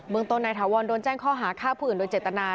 เบื้องตรงในถาวรโดนแจ้งข้อหาค่าผืนโดยเจตนา